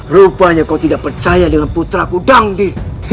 rupanya kau tidak percaya dengan putraku dangdi